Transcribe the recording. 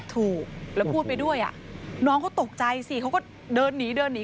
ถูกแล้วพูดไปด้วยน้องเขาตกใจสิเขาก็เดินหนีเดินหนี